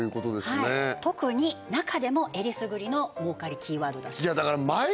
はい特に中でもえりすぐりの儲かりキーワードだそうです